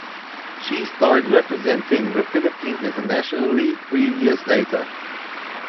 She start representing the Philippines internationally three years later.